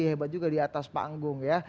hebat juga di atas panggung ya